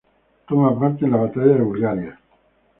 Toma parte en la Batalla de Bulgaria.